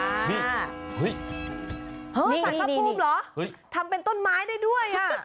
สารพะภูมิเหรอทำเป็นต้นไม้ได้ด้วย